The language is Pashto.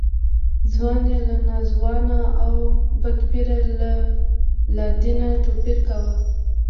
ځوان یې له ناځوانه او بدپیره له لادینه توپیر کاوه.